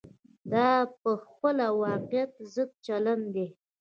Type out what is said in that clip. دا په خپله واقعیت ضد چلن دی.